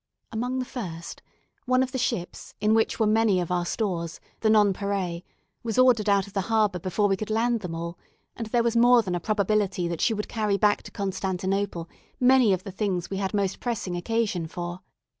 Among the first, one of the ships, in which were many of our stores, the "Nonpareil," was ordered out of the harbour before we could land them all, and there was more than a probability that she would carry back to Constantinople many of the things we had most pressing occasion for.